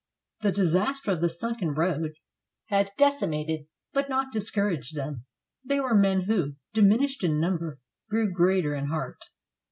The disaster of the sunken road had deci mated but not discouraged them. They were men who, diminished in number, grew greater in heart.